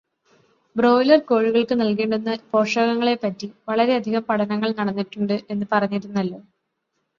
Broiler കോഴികള്ക്ക് നല്കേണ്ടുന്ന പോഷകങ്ങളെ പറ്റി വളരെയധികം പഠനങ്ങൾ നടന്നിട്ടുണ്ട് എന്ന് പറഞ്ഞിരുന്നല്ലോ.